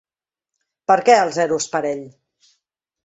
Per què el zero és parell?